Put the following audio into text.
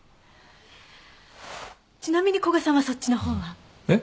ちなみに古賀さんはそっちの方は？えっ？